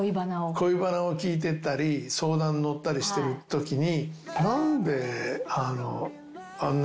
恋バナを聞いてったり相談乗ったりしてるときに。